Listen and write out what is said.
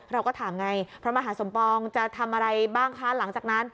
เราก็ถามไงพระมหาสมปองจะทำอะไรบ้างคะหลังจากนั้น